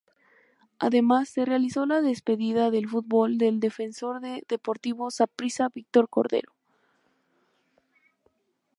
Además, se realizó la despedida del fútbol del defensor de Deportivo Saprissa Víctor Cordero.